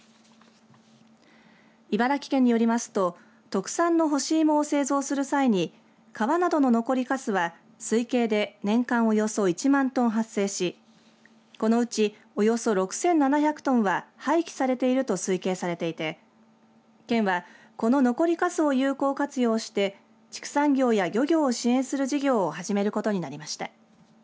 茨城県によりますと特産の干しいもを製造する際に皮などの残りかすは推計でおよそ年間およそ１万トン発生しこのうちおよそ６７００トンは廃棄されていると推計されていて県はこの残りかすを有効活用して畜産業や漁業を支援する事業を始めることになりました。